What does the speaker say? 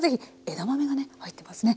枝豆がね入ってますね。